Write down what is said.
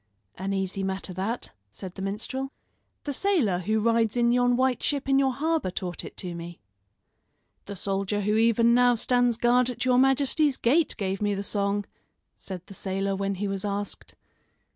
"An easy matter that," said the minstrel. "The sailor who rides in yon white ship in your harbor taught it to me." "The soldier who even now stands guard at your majesty's gate gave me the song," said the sailor when he was asked.